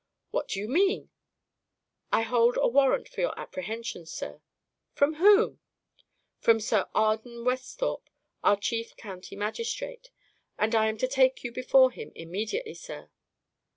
"What do you mean?" "I hold a warrant for your apprehension, sir." "From whom?" "From Sir Arden Westhorpe, our chief county magistrate; and I am to take you before him immediately, sir."